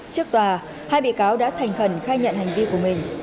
trước tòa hai bị cáo đã thành khẩn khai nhận hành vi của mình